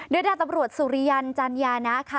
โดยดาบตำรวจสุริยันจัญญานะค่ะ